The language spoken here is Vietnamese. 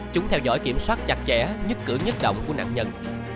chúng theo dõi kiểm soát chặt chẽ nhứt cửa nhứt động của nạn nhân